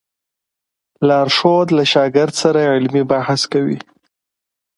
لارښود له شاګرد سره علمي بحث کوي.